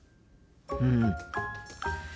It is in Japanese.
うん。